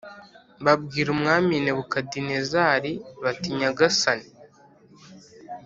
Babwira Umwami Nebukadinezari bati Nyagasani